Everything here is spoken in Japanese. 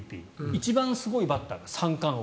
一番すごいバッターが三冠王。